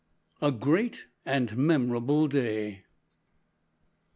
A GREAT AND MEMORABLE DAY.